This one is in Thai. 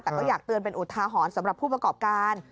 แต่ก็อยากเตือนเป็นอุทาหรณ์สำหรับผู้ประกอบการ